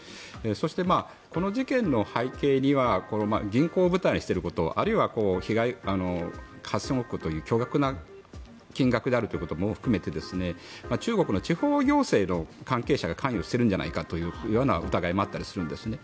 そして、この事件の背景には銀行を舞台にしていることあるいは８０００億という巨額な金額であることも含めて中国の地方行政の関係者が関与してるんじゃないかという疑いもあったりするんですね。